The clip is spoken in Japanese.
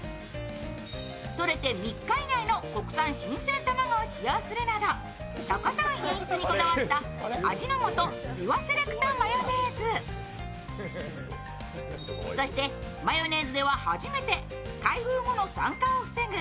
とれて３日以内の国産新鮮卵を使用するなどとことん品質にこだわった味の素ピュアセレクトマヨネーズそしてマヨネーズでは初めて開封後の酸化を防ぐ